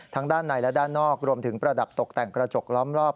ด้านในและด้านนอกรวมถึงประดับตกแต่งกระจกล้อมรอบ